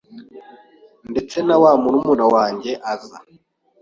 ndetse na wa murumuna wanjye aza